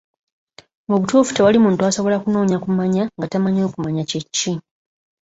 Mu butuufu tewali muntu asobola kunoonya kumanya nga tamanyi okumanya kye ki?